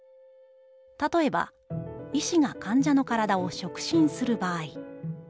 「たとえば医師が患者の体を触診する場合。